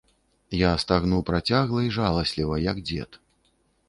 Я стагну працягла і жаласліва, як дзед.